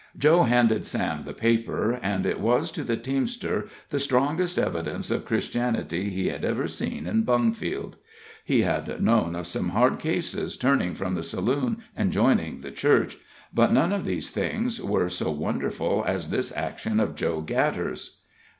Joe handed Sam the paper, and it was to the teamster the strongest evidence of Christianity he had ever seen in Bungfield. He had known of some hard cases turning from the saloon and joining the church, but none of these things were so wonderful as this action of Joe Gatter's.